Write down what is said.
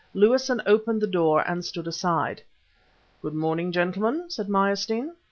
Lewison opened the door and stood aside. "Good morning, gentlemen," said Meyerstein.